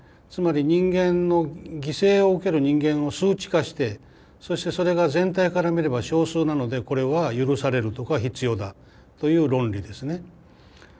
つまり犠牲を受ける人間を数値化してそしてそれが全体から見れば少数なのでこれは許されるとか必要だという論理ですね。